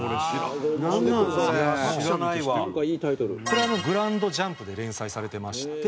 これ『グランドジャンプ』で連載されてまして。